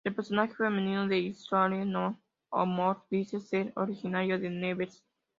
El personaje femenino de Hiroshima mon amour, dice ser oriunda de Nevers.